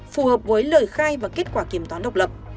phù hợp với lời khai và kết quả kiểm toán độc lập